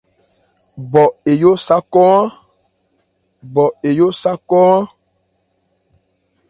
Bɔ eyó sâ kɔcn a.